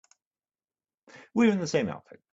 We were in the same outfit.